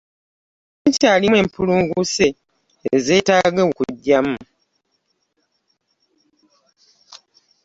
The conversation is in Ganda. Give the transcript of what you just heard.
Mukyalimu empulunguse ezeetaaga okuggyamu.